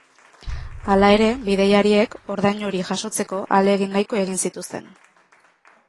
Hala ere, bidaiariek ordain hori jasotzeko ahalegin nahiko egin zituzten.